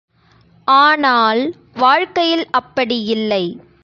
ஆனால், வாழ்க்கையில் அப்படியில்லை.